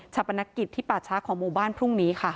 ชับประนักกิจที่ป่าชะของโมบ้านพรุ่งนี้ค่ะ